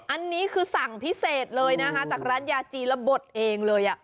อันนี้คือสั่งพิเศษเลยนะคะจากร้านยาจีนแล้วบดเองเลย